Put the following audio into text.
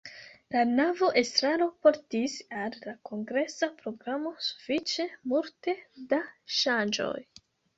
La nova estraro portis al la kongresa programo sufiĉe multe da ŝanĝoj.